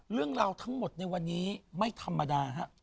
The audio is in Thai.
เรื่องราวทั้งหมดในวันนี้ไม่ธรรมดาฮะ